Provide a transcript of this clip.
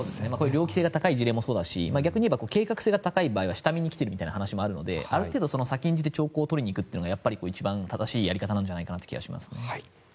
猟奇性が高い事例もそうだし逆に言えば計画性が高い場合は下見に来てるという話もあるのである程度、先んじて兆候を取りに行くのが一番正しいやり方なんじゃないかなと思います。